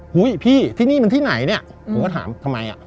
เฮ้ยพี่ที่นี่มันที่ไหนเนี่ยผมก็ถามทำไมอ่ะ